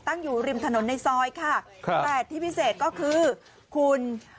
ตั้งอยู่ริมถนนในซอยค่ะครับแต่ที่พิเศษก็คือคุณ